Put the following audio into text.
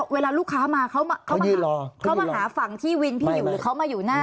เวลารูกค้ามาเขามาหาฝั่งที่วินพี่อยู่หรือเขามาอยู่หน้าธนาคาร